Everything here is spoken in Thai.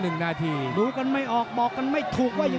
หรือว่าผู้สุดท้ายมีสิงคลอยวิทยาหมูสะพานใหม่